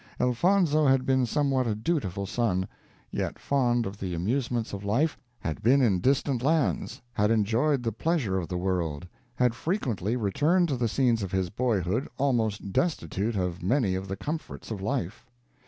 Elfonzo had been somewhat a dutiful son; yet fond of the amusements of life had been in distant lands had enjoyed the pleasure of the world, and had frequently returned to the scenes of his boyhood, almost destitute of many of the comforts of life.